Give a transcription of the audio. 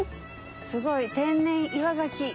すごい「天然岩かき」。